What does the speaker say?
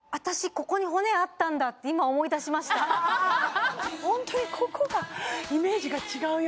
ここに骨あったんだって今思い出しましたホントにここがイメージが違うよ